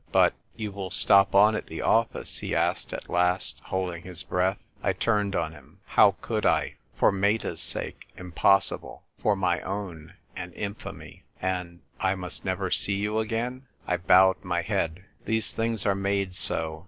"But — you will stop on at the office ?" he asked at last, holding his breath. I turned on him. " How could I ? For R 2 252 THE TYl'E WKITEK (IIKL. Mcta's sake, impossible ; for my own, an infamy." "And — I must never sec you again ?" I bowed my head. " Tiiese things arc made so.